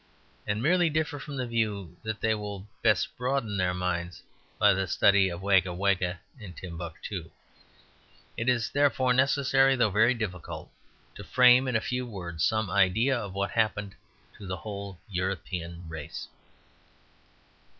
and merely differ from the view that they will best broaden their minds by the study of Wagga Wagga and Timbuctoo. It is therefore necessary, though very difficult, to frame in few words some idea of what happened to the whole European race.